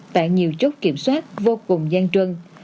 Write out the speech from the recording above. tại nhiều chốt kiểm soát vô cùng gian dịp